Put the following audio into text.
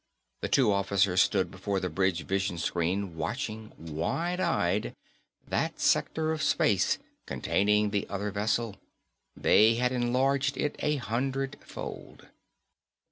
The two officers stood before the bridge vision screen watching, wide eyed, that sector of space containing the other vessel. They had enlarged it a hundred fold.